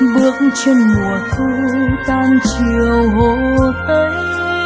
bước trên mùa thu tan chiều hồ tây